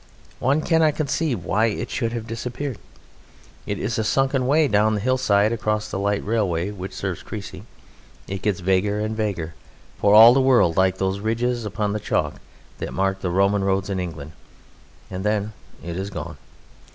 One cannot conceive why it should have disappeared. It is a sunken way down the hillside across the light railway which serves Crécy, it gets vaguer and vaguer, for all the world like those ridges upon the chalk that mark the Roman roads in England, and then it is gone.